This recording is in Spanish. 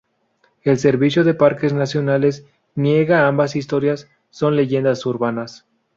El Servicio de Parques Nacionales niega ambas historias, son leyendas urbanas.